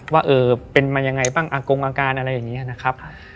ว่าเออเป็นมายังไงบ้างอากงอาการอะไรอย่างนี้นะครับ